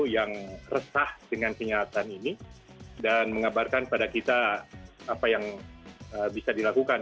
yang resah dengan kenyataan ini dan mengabarkan pada kita apa yang bisa dilakukan